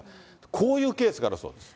こういうケースがあるそうです。